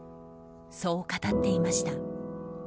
そう語っていました。